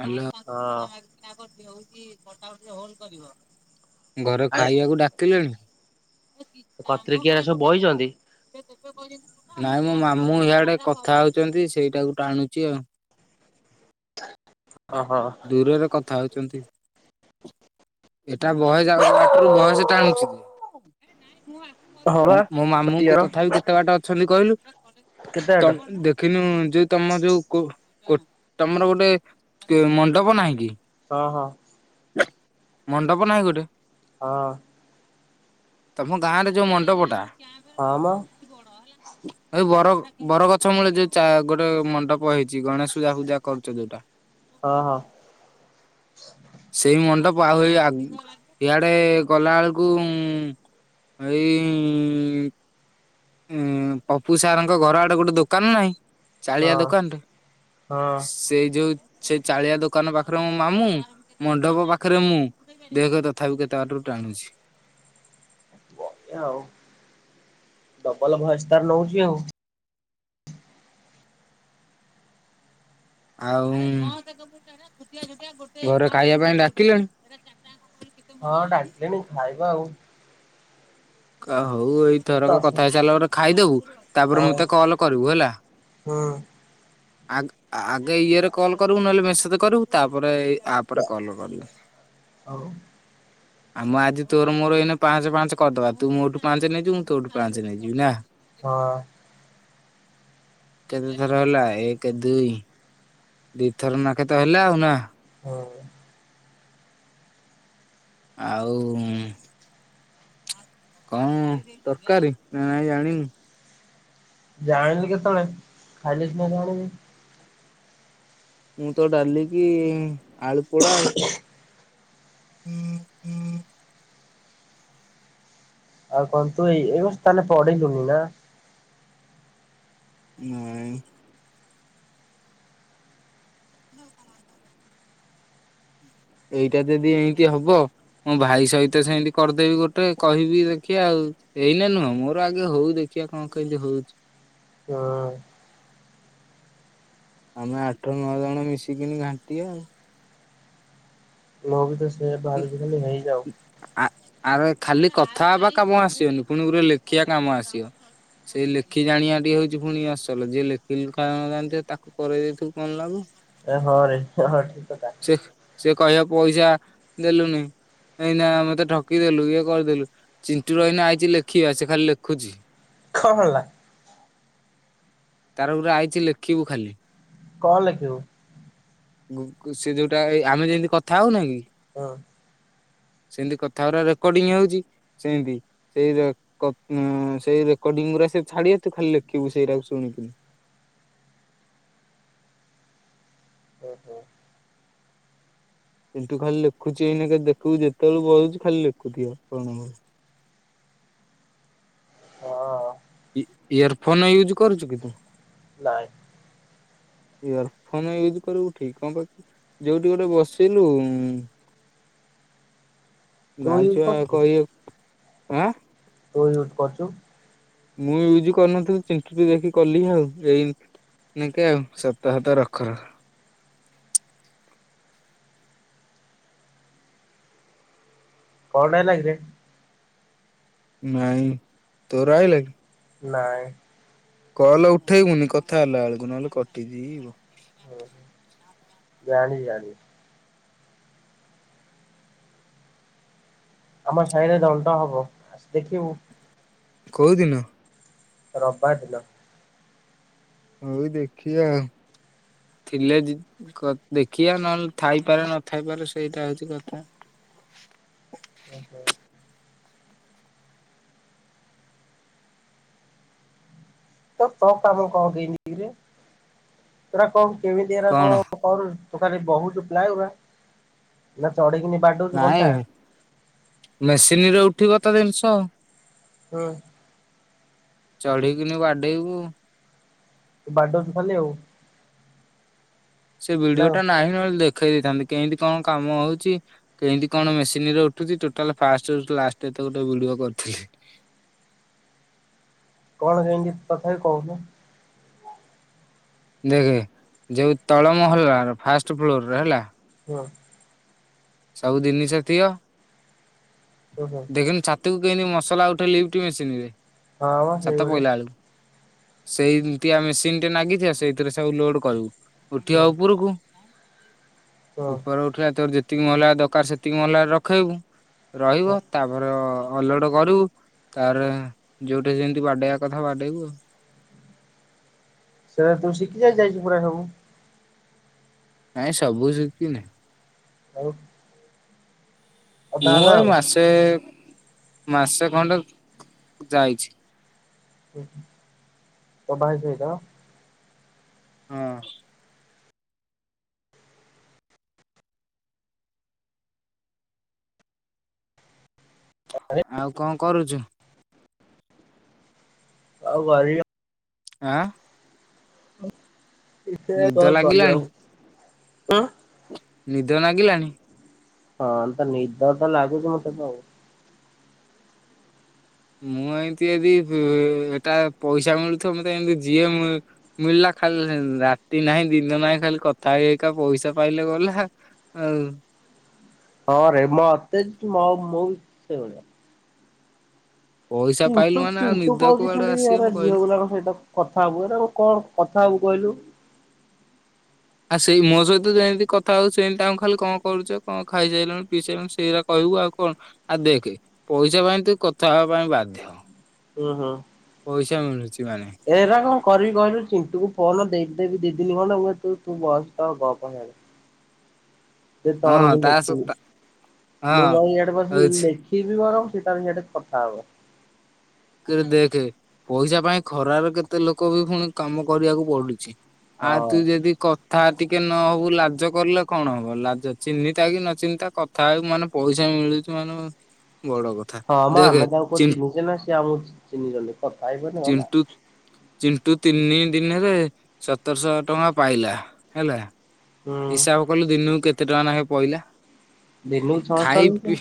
Hello. ହଁ। ଘରେ ଆ ଖାଇଆକୁ ଡାକିଲେଣି? କତିରେ କିଏ ହେରା ସବୁ ବଇଚନ୍ତି? ନାଇଁ ମୋ ମାମୁଁ ହିଆଡେ କଥା ହଉଚନ୍ତି, ସେଇଟାକୁ ଟାଣୁଚି ଆଉ। ଓ ହୋ। ଦୂରରେ କଥା ହଉଚନ୍ତି। ଏଟା ବହେ ଜାଗା ବାଟରୁ ଭଏସ୍ ଟାଣୁଚି କି? ହଁ ବା ମୋ ମାମୁଁ ଙ୍କୁ କ୍ଲିୟର ତଥାପି କେତେ ବାଟ ଅଛନ୍ତି କହିଲୁ? କେତେ ବାଟ ତନ୍ ଦେଖ୍ ଖିନୁ ଯୋଉ ତମ ଯୋଉ କୋ କୋଠ୍ ତମର ଗୋଟେ ମଣ୍ଡପ ନାହିଁ କି? ହଁ ହଁ। ମଣ୍ଡପ ନାହିଁ ଗୋଟେ? ହଁ। ତମ ଗାଁ ରେ ଯୋଉ ମଣ୍ଡପଟା। ହଁ ମ। ବଡ ହେଲେ। ଏଇ ବର୍ ବରଗଛ ମୂଳେ ଚା ଯୋଉ ଗୋଟେ ମଣ୍ଡପ ହେଇଚି ଗଣେଶ ପୂଜା ହୁଜା କରୁଚ ଯୋଉଟା। ହଁ ହଁ। ସେଇ ମଣ୍ଡପ ଆହୁରି ହେ ଆଗ୍ ଇଆଡେ ଗଲା ବେଳକୁ ଏଇ ଇ ଉଁ ପପୁ ସାର୍ ଙ୍କ ଘର ଆଡେ ଗୋଟେ ଦୋକାନ ନାହିଁ? ଚାଳିଆ ହଁ ଦୋକାନ ଟେ ହଁ ସେଇଯୋଉ। ସେଇ ଚାଳିଆ ଦୋକାନ ପାଖରେ ମୋ ମାମୁଁ ମଣ୍ଡପ ପାଖରେ ମୁଁ। ଦେଖ ତଥାପି କେତେ ବାଟରୁ ଟାଣୁଛି। ସେଇଆ ଆଉ ଡବଲ ଭୟସ୍ ତାର ନଉଛି ଆଉ ଆଉ ଘରେ ଖାଇବା ପାଇଁ ଡାକିଲେଣି। ହଁ ଡାକିଲେଣି ଖାଇବା ଆଉ। କା ହଉ ଏଇ। ଥରକ ଦଶ କଥା ହେଇ ସାରିଲା ପରେ ଖାଇଦବୁ ତାପରେ ହଁ ମତେ କଲ କରିବୁ ହେଲା। ହୁଁ ଆ ଆଗେ ଇଏରେ କଲ୍ କରିବୁ ନହେଲେ ମେସେଜ କରିବୁ ତାପରେ ଆପରେ କଲ୍ କରିବୁ। ହଉ। ଆ ମ ଆଜି ତୋର ମୋର ଏଇନେ ପାଞ୍ଚ ପାଞ୍ଚ କରିଦବା। ତୁ ମୋଠୁ ପାଞ୍ଚ ନେଇଯିବୁ ତୋଠୁ ପାଞ୍ଚ ନେଇଯିବି ନା। ହଁ। କେତେ ଥର ହେଲା ଏକ ଦୁଇ। ଦିଥର ନା କେତେ ହେଲା ଆଉ ନା। ହଁ। ଆଉ ଉଁ। କଁ ତରକାରୀ ନା ନାଇଁ ଜାଣିନୁ। ଜାଣିଲି କେତେବେଳେ ଖାଇଲେ ସିନା ଜାଣିବି। ମୁଁ ତ ଡାଲିକି ଆଳୁ ପୋଡା ଆଉ। ହୁଁ ହୁଁ ଆଉ କଁ ତୁ ଏଇ ଏ ସ୍ତାନେ ପଢି ଲୁଣି ନା। ନାଁ ଇ। [unintelligible] ଏଇଟା ଯଦି ଏଣିକି ହବ। ମୋ ଭାଇ ସହିତ ସେମିତି କରିଦେବି ଗୋଟେ କହିବି ଦେଖିବା ଆଉ। ଏଇନେ ନୁହଁ ମୋର ଆଗେ ହଉ ଦେଖିବା କଁ କେମିତି ହଉଛି। ହଁ। ଆମେ ଆଠ ନଅ ଜଣ ମିଶିକିନି ଘାଣ୍ଟିବା ଆଉ। ମୁଁ ବି ତ ସେଇଆ ଭାବିଛି ଖାଲି ହେଇଯାଉ। ଆ ଆରେ ଖାଲି କଥା ହବା କାମ ଆସିବନି ପୁଣି ଗୁରେ ଲେଖିବା କାମ ଆସିବ। ସେଇ ଲେଖି ଜାଣିବା ଟି ହଉଛି ପୁଣି ଅସଲ ଯିଏ ଲେଖି ଲୁଗା ନ ଜାଣି ଥିବ ତାକୁ ପୁରେଇ ଦେଇଥିବୁ କଣ ଲାଭ। ଏ ହଁ ରେ ହଁ ଠିକ କଥା। ସେ ସେ କହିବ ପଇସା ଦେଲୁନି। ଏଇନା ମତେ ଠକିଦେଲୁ ଇଏ କରିଦେଲୁ। ଚିଣ୍ଟୁର ଏଇନା ଆଇଛି ଲେଖିବା ସେ ଖାଲି ଲେଖୁଛି। କଁ ହେଲା। ତାର ଗୁରେ ଆଇଛି ଲେଖିବୁ ଖାଲି। କଣ ଲେଖିବୁ। ଗୁ ଗୁ ସେ ଯୋଉଟା ଏଇ ଆମେ ଯେମିତି କଥା ହଉନା କି। ହଁ। ସେଁତି କଥା ଗୁରା ରେକର୍ଡିଂ ହଉଛି ସେଁତି। ସେଇ ରେ କ ଉଁ ସେଇ ରେକର୍ଡିଙ୍ଗ ଗୁରା ସେ ଛାଡି ବେ ତୁ ଖାଲି ଲେଖିବୁ ସେଇରା କୁ ଶୁଣିକିନି। ଓ ହୋ। କିନ୍ତୁ ଖାଲି ଲେଖୁଛି ଏଇନା କେ ଦେଖୁ ଯେତେବେଳ ବଢୁଛି ଖାଲି ଲେଖୁଥିବ କଣମରେ। ହଁ। ଇୟର ଫୋନ ୟୁଜ୍ କରୁ କି ତୁ? ନାଇ। ଇୟର ଫୋନ ୟୁଜ୍ କରିବୁ ଠିକ୍, କଣ ପା ଯୋଉଠି ଗୋଟେ ବସିଲୁ [inaudible] ତୁ ୟୁଜ୍ ଗାଛୁଆ କରୁଛୁ କି? କଇଏ ଆଁ ତୁ ୟୁଜ କରୁଛୁ। ମୁଁ ୟୁଜ କରିନଥିଲ [unintelligible] ଦେଖି କଲି ଆଉ [unintelligible] ନାଙ୍କେ ଆଉ [unintelligible] କଣ ହେଲା [unintelligible] ନାଇଁ ତୋ ରହିଲ କି। ନାଇଁ। କହଲ ଉଠେଇବୁନି କଥା ହେଲା ବେଳକୁ ନହେଲେ କଟିଦିଯିବ। ଓ ହ ଜାଣି ଜଣି। ଆମ ସାହିରେ ଦଣ୍ଟ ହବ ଆ ଦେଖିବୁ। କୋଉଦିନ? ରବିବାର ଦିନ। ହଉ ଦେଖିଆ। ଥିଲେ ଦେଖିବା ନହେଲେ ଥାଇପାରେ ନଥାଇପାରେ ସେଇଟା ହଉଛି କଥା। ଓହୋ। ତ ତ କାମ କଣ ଦେଇନିରେ ଏଟା କଣ କେମିତି ଏଟା କଣ। କର ତୁ ଖାଲି ବହୁଛୁ ପ୍ଲା ନା ଚଢିକିନି ବାଡଉଛିୁ କଣ୍ଟା। ନାଇଁ ମେସିନ ରେ ଉଠିବ ତ ଜିନିଷ। ହଁ। ଚଢିକିନି ବାଡେଇବୁ। ବାଡୋଉଚି ଖାଲି ଆଉ। ସେ ନା ଭିଡିଓ ଟା ନାହିଁ ନେ ଦେଖେଇ ଦେଇଥାନ୍ତି କେମିତି କଣ କାମ ହଉଛି। କେମତି କଣ ମେସିନ ରେ ଉଠୁଛିୋଟାଲ ଫାଷ୍ଟ ଏତ ଗୋଟେ ଭିଡିଓ କରିଥିଲି। କଣ କେହିକି ତଥାପି କହୁନ। ଦେଖେ ଯୋଉ ତଳମହଲ ଫାଷ୍ଟ ଫ୍ଲୋରରେ ହେଲା। ହଁ। ସବୁ ଜିନିଷ ଥିବ। ଓୁହୋ। ସେଖ ଛାତକୁ କେ ମସଲା ଉଠେ ଲିଫ ମେସିନ ରେ ହଁ ମ ଛାତ ସେଇଭଳିଆ ପହିଲା ବେଳକୁ। ସେଇଆ ମେସିନ ଟେ ନାଗିଥିବ ସେଇଥିରେ ସବୁ ଲୋଡ କରିବୁ। ଉଠିବା ହଁ ଉପରକୁ। ହଁ ଉପର ଉଠିଲା ତୋର ଯେତିକି ମହଲା ଦରକାର ସେତିକି ମହଲା ରଖେଇବୁ। ରହିବ ହଁ ତାପରେ ଅଲଟ କରିବୁ ତାର ଯୋଉଠି ଯେମିତି ବାଡେଇବା କଥା ବାଡେଇବୁ ଆଉ। ସେ ତୁ ଶିକି ଯାଇ ଯାଇଛୁ ପୁରା ସବୁ। ନାଇଁ ସବୁ ଶୁଖିନି। ହଉ। ମୁଁ ଏଇ ଆଉ ମାସେ ମାସେ ଖଣ୍ଡେ ଯାଇଛି। ତ ଭାଇ ସେଇଟ। ହଁ। [unintelligible] ଆଉ କଣ କରୁଚୁ? [unintelligible] ଆଁ କିଛି ନାଇଁ ନିଦ କଣ କରିବି ଲାଗିଲାଣି ଆଉ। ନିଦ ନାଗିଲାଣି? ହଁ ତ ନିଦ ତ ଲାଗୁଚି ମତେ ପ୍ର ମୁଁ ଏନ୍ତି ଯଦି ଏଟା ପଇସା ମିଳୁଥିବ ମତେ ଏମତି ଯିଏ ମୁଁ ମିଳିଲା ଖାଲି ରାତି ନାହିଁ ଦିନ ନାହିଁ ଖାଲି କଥା ହେଇ ହେଇକା ପଇସା ପାଇଲେ ଗଲା। ଆଉ ହଁ ରେ ମତେ [unintelligible] ସେଇଭଳିଆ। ପଇସା ପାଇଲୁ ଚିଣ୍ଟୁ ମାନେ ଆଉ ଚିଣ୍ଟୁ ନିଦ କହୁଚି କୁଆଡୁ ଖାଲି ଆସିବ ଏରା ଝିଅ କହିଲୁ ଗୁରା ଙ୍କ ସହିତ କଥା ହବୁ। ଏରା ଙ୍କୁ କଣ କଥା ହବୁ କହିଲୁ? ଆଉ ସେଇ ମୋ ସହିତ ଯେମିତି କଥା ହଉ ସେମିତି ତାଙ୍କୁ ଖାଲି କଣ କରୁଚ କଣ ଖାଇ ସାଇଲଣି ପିଇ ସାଇଲଣି ସେଇରା କହିବୁ ଆଉ କଣ। ଆଉ ଦେଖେ ପଇସା ପାଇଁ ତୁ କଥା ହବା ପାଇଁ ବାଧ୍ୟ। ଅଁ ହଁ। ପଇସା ମିଳୁଚି ମାନେ। ଏରା କଣ କରିବି କହିଲୁ ଚିଣ୍ଟୁକୁ ଫୋନ ଦେଇ ଦେବି ଦି ଦିନି ଖଣ୍ଡେ ମୁଁ କହିବି ତୁ ବସ ତୋର ଗପ୍ ହିଆଡେ। ଦେ ତର ହଁ ମୁଁ ତା ଲେଖିବି। ସହିତ ହଁ ମୁଁ ଜାଇଁକି ଇଆଡେ ବସି ହଉଛି। ଲେ ଖିବି ବରଂ ସେ ତାର ହିଆଡେ କଥା ହବ। କିରେ ଦେଖେ ପଇସା ପାଇଁ ଖରାରେ କେତେ ଲୋକ ବି ପୁଣି କାମ କରିବାକୁ ପଡୁଚି। ଆଉ ତୁ ହଁ। ଯେନ୍ତି କ ଥା ଟିକେ ନହବୁ ଲାଜ କରିଲେ କଣ ହବ, ଲାଜ ଚିହ୍ନିତା କି ନ ଚିହ୍ନିଥା କ ଥା ହବୁମାନେ ପଇସା ମିଳୁଚି ମାନେ ବଡ କଥା। ହଁ ମ ଦେଖେ ଆମେ ତାଙ୍କୁ ଚି କଣ ଚିହ୍ନିଚେନା ସେ ଆମକୁ ଚିହ୍ନିଛନ୍ତି। କଥା ହେଇପଡି ଚିଣ୍ଟୁ ଚିଣ୍ଟୁ ତିନି ଦିନରେ ସତରଶହ ଟଙ୍କା ପାଇଲା ହେଲା। ହୁଁ ହିସାବ କଲୁ ଦିନକୁ କେତେ ଟଙ୍କା ଲେଖା ପଇଲା। ଦିନକୁ ଛଅଶହ ଖାଇ ଲୋକ ପିଇ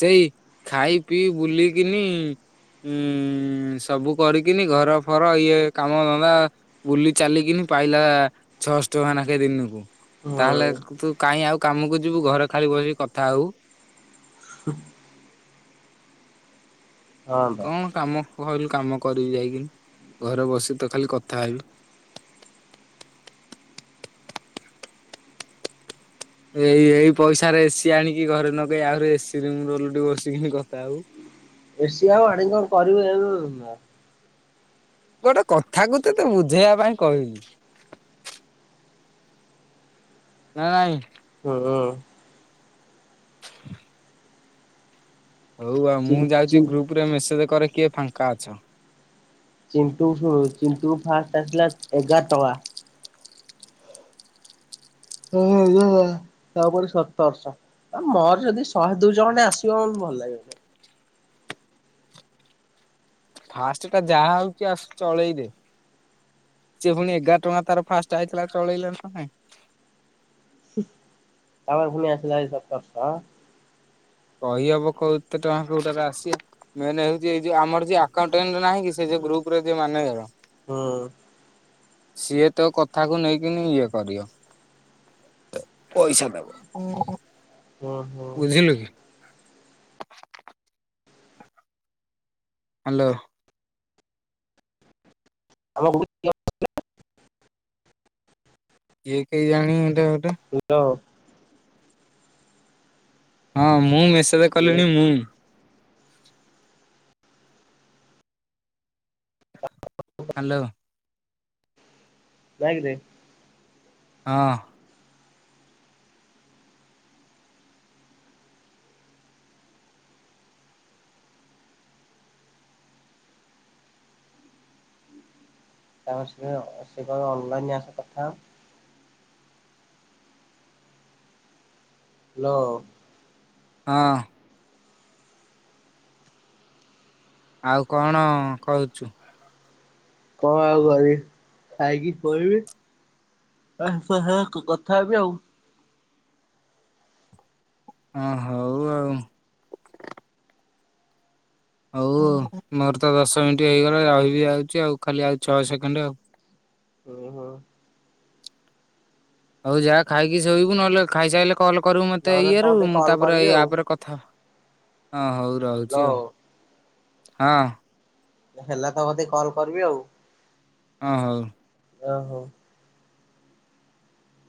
ସେଇ ଖାଇ ପିଇ ବୁଲିକିନି ଉଁ ସବୁ କରିକିନି ଘର ଫର ଇଏ କାମ ଧନ୍ଦା ବୁଲି ଚାଲିକିନି ପାଇଲା ଛଅଶ ଟଙ୍କା ଲେଖା ଦିନକୁ। ହୁଁ ତାହେଲେ ତୁ କାହିଁ ଆଉ କାମକୁ ଯିବୁ ଘରେ ଖାଲି ବସିକି କଥା ହବୁ। ହ। ହଁ ବା କଣ କାମ କହିଲୁ କାମ କରିବି ଯାଇକିନି, ଘରେ ବସିକି ତ ଖାଲି କଥା ହେବି। ଏଇ ଏଇ ପଇସାରେ ଏସି ଆଣିକି ଘରେ ନଗେଇ ଆହୁରି ଏସି ରୁମ୍ ଉଲ୍ଟି ବସିକିି କଥା ହବୁ। ଏସିି ଆଉ ଆଣିକି କଣ କରିବୁ [unintelligible] ଗୋଟେ କଥାକୁ ତତେ ବୁଝେଇବା ପାଇଁ କହିଲି। ନା ନାଇଁ। ହୁଁ। ହଉ ଆଉ ଚି ମୁଁ ଚି ଯାଉଚି ଗ୍ରୁପ୍ ରେ ମେସେଜ କରେ କିଏ ଫାଙ୍କା ଅଛ। ଚିଣ୍ଟୁ କୁ ଶୁଣୁ ଚିଣ୍ଟୁ କୁ ଫାଷ୍ଟ ଆସିଲା ଏଗାର ଟଙ୍କା। [unintelligible] ତାପରେ ସତରଶ। ଆ ମୋର ଯଦି ଶହେ ଦୁଇ ଖଣ୍ଡେ ଆସିବ ମତେ ଭଲ ଲାଗିବନି। ଫାଷ୍ଟଟା ଯାହା ଆଉଛି ଆସୁ ଚଳେଇ ଦେ। ସିଏ ପୁଣି ଏଗାର ଟଙ୍କା ତାର ଫାଷ୍ଟ ଆଇଥିଲା ଚଳେଇଲା ନା ନାଇଁ। ତା ପାଖକୁ ପୁଣି ହେଇ ଆସିଲା ସାତଶହ ଟଙ୍କା। କହିହବ କଉ କେତେ ଟଙ୍କା କୋଉଟାରେ ଆସି ମେନ ହଉଛି ଯୋଉ ଆମର ଯିଏ ଆକାଉଣ୍ଟାଣ୍ଟ ନାହିଁ କି ସେ ଗ୍ରୁପ ଯେ ମାନେଜର ହୁଁ। ସିଏ ତୋ କଥାକୁ ନେଇକିନି ଇଏ କରିବ। ପଇସା ଦବ। ହୁଁ। ହୁଁ ବୁଝିଲୁ କି? ହ୍ୟାଲୋ। [unintelligible] ଇଏ କେହି ଜାଣିନି କିଏ ଗୋଟେ? ହାଲୋ। ହଁ ମୁଁ ମେସେଜ କଲିଣି ମୁଁ। ହ୍ୟାଲୋ। ବାଇକରେ। ହଁ। ତାପରେ ସେ କହିବ ଅନଲାଇନ୍ସ ଆସେ କଥା ହାଲୋ। ହଁ। ଆଉ କଣ କହୁଛୁ? କଣ ଆଉ କରିବି ଖାଇକି ଶୋଇବି। କଥା ହେବି ଆଉ ହଁ ହଉ ଆଉ ହଉ ମୋର ତ ଦଶ ମିନିଟ୍ ହେଇଗଲା ରହିବି ଯାଉଛି ଆଉ ଖାଲି ଆଉ ଛଅ ସେକେଣ୍ଡ ଆଉ ହୁଁ ହୋ। ଆଉ ଯାହା ଖାଇକି ସୋଇବୁ ନହେଲେ ଖାଇସାଇଲେ କ କରିବୁ ମତେ ନହେଲେ ତମ ଇଏରୁ କତିକି ମୁଁ କଲ୍ ତାପରେ କରିବି ଏଇ ଆଉ। ଆପରେ କଥା ହଁ ହଉ ରହୁଛି ଆଉ ହ୍ୟାଲୋ ହଁ। ହେଲା ତ କତିକୀ କଲ୍ କରିବି ଆଉ ହଁ ହଉ। ଯାହା ହଉ।